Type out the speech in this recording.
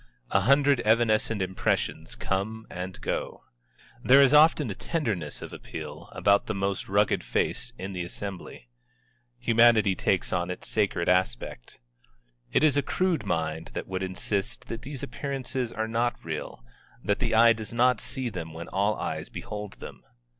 A hundred evanescent impressions come and go. There is often a tenderness of appeal about the most rugged face in the assembly. Humanity takes on its sacred aspect. It is a crude mind that would insist that these appearances are not real, that the eye does not see them when all eyes behold them.